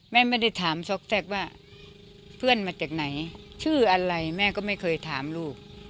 แม่ไม่ได้ถามซอกแทรกว่าเพื่อนมาจากไหนชื่ออะไรแม่ก็ไม่เคยถามลูก